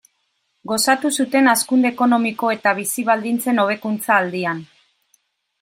Gozatu zuten hazkunde ekonomiko eta bizi-baldintzen hobekuntza aldian.